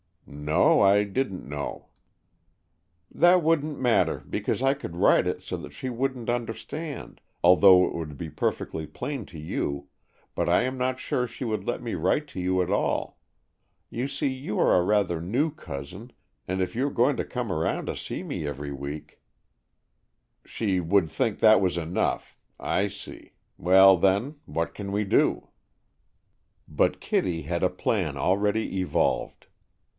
"No, I didn't know." "That wouldn't matter, because I could write it so that she wouldn't understand, although it would be perfectly plain to you, but I am not sure she would let me write to you at all. You see, you are a rather new cousin, and if you are going to come to see me every week, " "She would think that was enough. I see. Well then, what can we do?" But Kittie had a plan already evolved.